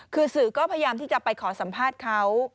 คือสื่อก็พยายามที่จะไปขอสัมภาษณ์เขา